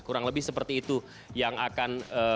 kurang lebih seperti itu yang akan